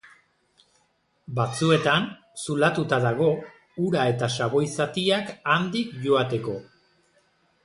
Batzuetan zulatuta dago ura eta xaboi zatiak handik joateko.